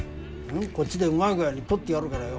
んっこっちでうまい具合に撮ってやるからよ。